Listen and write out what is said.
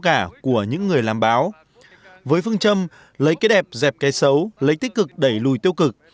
cả của những người làm báo với phương châm lấy cái đẹp dẹp cái xấu lấy tích cực đẩy lùi tiêu cực